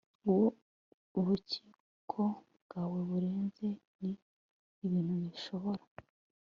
uwo ububiko bwawo buhenze n ibintu bishobora